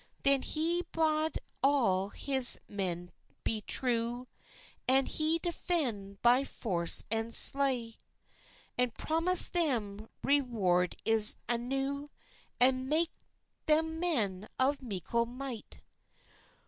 Then he bad all his men be trew, And him defend by forss and slicht, And promist them rewardis anew, And mak them men of mekle micht.